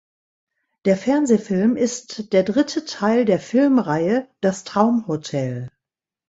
Der Fernsehfilm ist der dritte Teil der Filmreihe "Das Traumhotel".